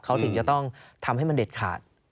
เขาถึงจะต้องทำให้มันเด็ดขาด